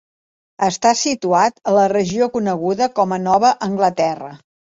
Està situat a la regió coneguda com a Nova Anglaterra.